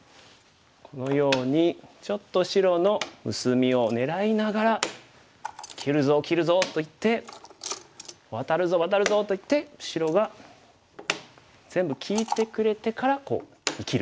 このようにちょっと白の薄みを狙いながら「切るぞ切るぞ」と言って「ワタるぞワタるぞ」と言って白が全部利いてくれてからこう生きる。